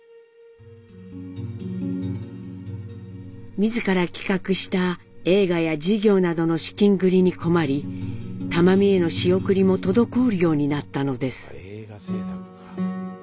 自ら企画した映画や事業などの資金繰りに困り玉美への仕送りも滞るようになったのです。